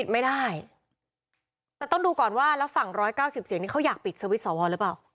ไม่ได้แต่ต้องดูก่อนว่าแล้วฝั่ง๑๙๐เสียงนี่เขาอยากปิดสวิตช์สวหรือเปล่า